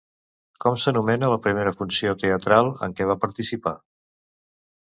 Com s'anomena la primera funció teatral en què va participar?